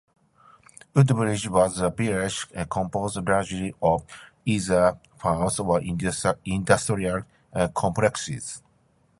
Woodbridge was a village composed largely of either farms or industrial complexes.